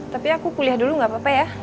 tapi aku kuliah dulu gak apa apa ya